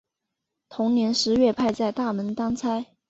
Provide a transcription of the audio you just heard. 同年十月派在大门当差。